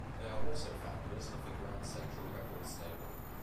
They are also founders of the "Grand Central Records label".